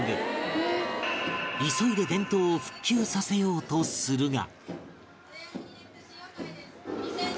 急いで電灯を復旧させようとするが